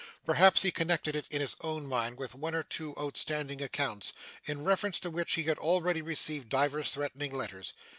Perhaps he connected it in his own mind with one or two outstanding accounts, in reference to which he had already received divers threatening letters.